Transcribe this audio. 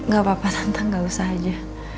gak apa apa santang gak usah aja